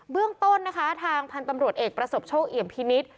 เรื่องต้นนะคะทางพันธุ์ตำรวจเอกประสบโชคเอี่ยมพินิษฐ์